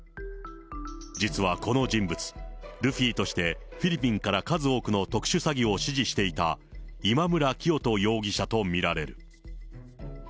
実はこの人物、ルフィとしてフィリピンから数多くの特殊詐欺を指示していた今村磨人容疑者と見られる。